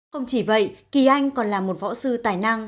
không chỉ vậy kỳ anh còn là một võ sư tài năng